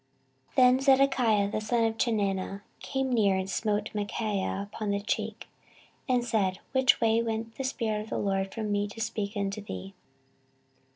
14:018:023 Then Zedekiah the son of Chenaanah came near, and smote Micaiah upon the cheek, and said, Which way went the Spirit of the LORD from me to speak unto thee?